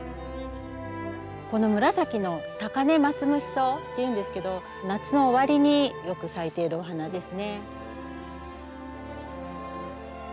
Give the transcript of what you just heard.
この紫のタカネマツムシソウっていうんですけど夏の終わりによく咲いているお花ですね。